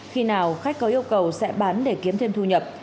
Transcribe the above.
khi nào khách có yêu cầu sẽ bán để kiếm thêm thu nhập